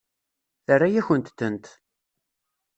Terra-yakent-tent.